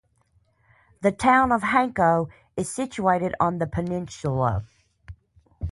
The town of Hanko is situated on the peninsula.